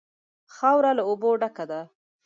خاوره له اوبو ډکه ده.